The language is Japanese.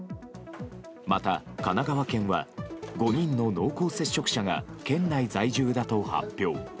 また、神奈川県は５人の濃厚接触者が県内在住だと発表。